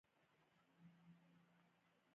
کاناډا د کیمیاوي موادو صنعت لري.